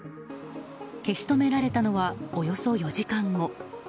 消し止められたのはおよそ４時間後。